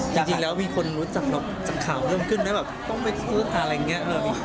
จริงแล้วมีคนรู้จักจากข่าวเริ่มขึ้นไหมแบบต้องไปซื้ออะไรอย่างนี้